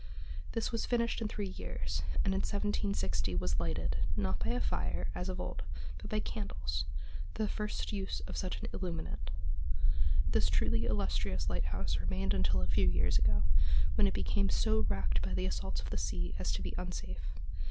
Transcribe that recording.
This was finished in three years, and in 1760 was lighted, not by a fire, as of old, but by candles—the first use of such an illuminant. This truly illustrious lighthouse remained until a few years ago, when it became so racked by the assaults of the sea as to be unsafe.